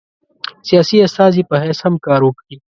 سیاسي استازي په حیث هم کار وکړي.